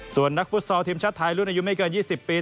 ส่วนนักฟุตซอลทีมชาติไทยรุ่นอายุไม่เกิน๒๐ปี